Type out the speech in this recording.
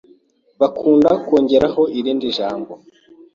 bakunda kongereho irindi jambo,